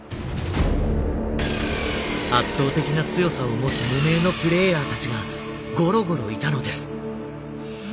圧倒的な強さを持つ無名のプレイヤーたちがゴロゴロいたのです。